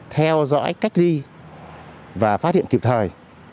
theo dõi cách ly và phát hiện kịp thời